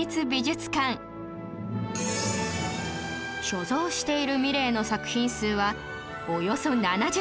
所蔵しているミレーの作品数はおよそ７０点